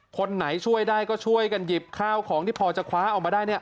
คนไหนช่วยได้ก็ช่วยกันหยิบข้าวของที่พอจะคว้าออกมาได้เนี่ย